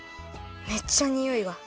めっちゃにおいが！